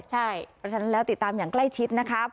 เพราะฉะนั้นแล้วติดตามอย่างใกล้ชิดนะครับ